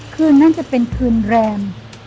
คืนนั้นจะเป็นคืนแรม